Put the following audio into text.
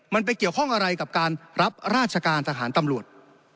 มันไปเกี่ยวข้องอะไรกับการรับราชการทหารตำรวจ